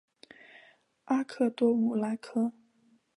阿克多武拉克。